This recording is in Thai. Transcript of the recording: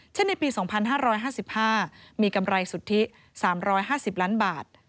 ในปี๒๕๕๕มีกำไรสุทธิ๓๕๐ล้านบาท